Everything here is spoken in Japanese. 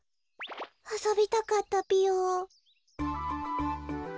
あそびたかったぴよ。